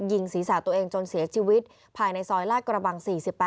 ยิงศีรษะตัวเองจนเสียชีวิตภายในซอยลาดกระบัง๔๘